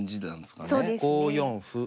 ５四歩。